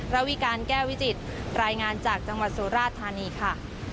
ระวิการแก้วิจิตรายงานจากจังหวัดสุราธานีค่ะ